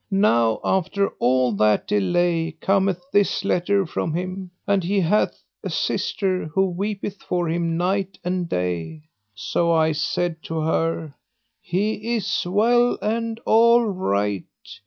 Now after all that delay cometh this letter from him, and he hath a sister who weepeth for him night and day; so I said to her, 'He is well and all right.'